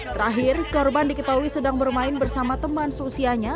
terakhir korban diketahui sedang bermain bersama teman seusianya